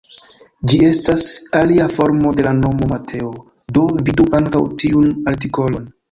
Ĝi estas alia formo de la nomo Mateo, do vidu ankaŭ tiun artikolon.